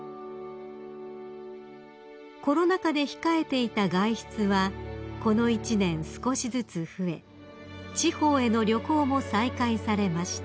［コロナ禍で控えていた外出はこの一年少しずつ増え地方への旅行も再開されました］